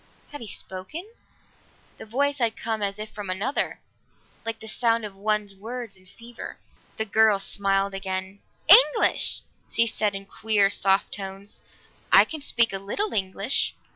Had he spoken? The voice had come as if from another, like the sound of one's words in fever. The girl smiled again. "English!" she said in queer soft tones. "I can speak a little English."